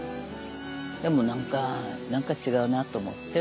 でも何か何か違うなと思って。